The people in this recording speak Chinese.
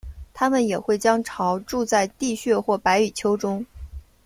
它们也会将巢筑在地穴或白蚁丘中。